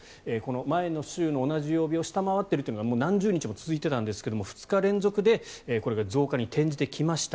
前の週の同じ曜日を下回っているというのがもう何十日も続いていたんですが２日連続でこれが増加に転じてきました。